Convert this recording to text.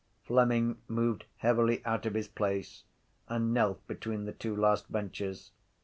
Fleming moved heavily out of his place and knelt between the two last benches.